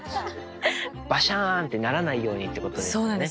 バシャンってならないようにってことですよね？